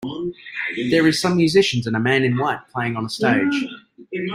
There is some musicians and a man in white playing on a stage.